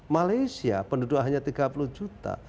malaysia penduduk hanya tiga puluh juta